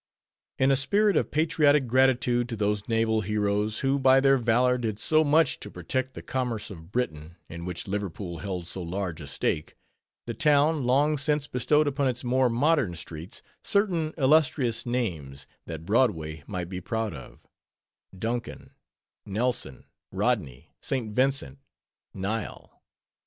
In a spirit of patriotic gratitude to those naval heroes, who by their valor did so much to protect the commerce of Britain, in which Liverpool held so large a stake; the town, long since, bestowed upon its more modern streets, certain illustrious names, that Broadway might be proud of:—Duncan, Nelson, Rodney, St. Vincent, Nile.